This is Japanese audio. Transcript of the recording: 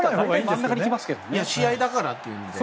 試合だからという意味で。